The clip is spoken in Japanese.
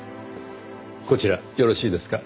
こちらよろしいですか？